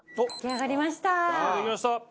さあできました。